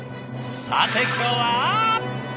さて今日は？